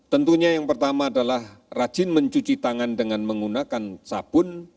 tentunya yang pertama adalah rajin mencuci tangan dengan menggunakan sabun